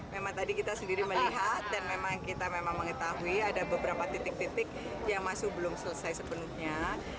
memang tadi kita sendiri melihat dan memang kita memang mengetahui ada beberapa titik titik yang masih belum selesai sepenuhnya